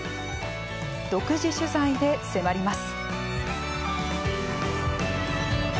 独自取材で迫ります。